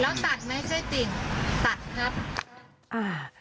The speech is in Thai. แล้วตัดไม่ใช่จริงตัดครับ